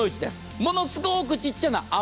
ものすごくちっちゃな泡。